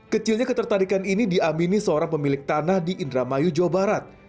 kecilnya ketertarikan ini diamini seorang pemilik tanah di indramayu jawa barat